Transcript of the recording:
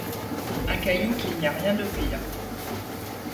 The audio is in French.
Un caillou qu’il n’y a rien de pire.